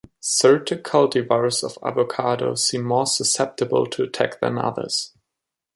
Certain cultivars of avocado seem more susceptible to attack than others.